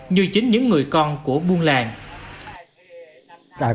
như chính những người con của buôn làng